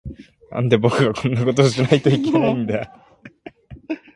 なんで、僕がこんなことをしないといけないんだ。